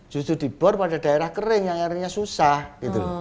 justru dibor pada daerah kering yang airnya susah gitu loh